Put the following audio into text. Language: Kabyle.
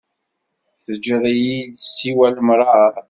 Teǧǧiḍ-iyi-d siwa lemṛaṛ.